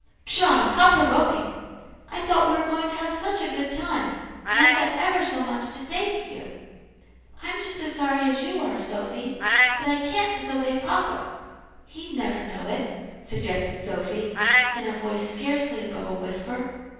"Pshaw! how provoking. I thought we were going to have such a good time, and I've got ever so much to say to you." "I'm just as sorry as you are, Sophy, but I can't disobey papa." "He'd never know it," suggested Sophy in a voice scarcely above a whisper.